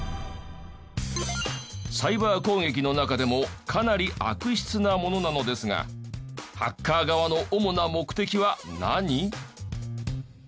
サイバー攻撃の中でもかなり悪質なものなのですがハッカー側の主な目的は何？